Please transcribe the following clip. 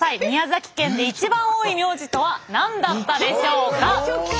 宮崎県で一番多い名字とは何だったでしょうか？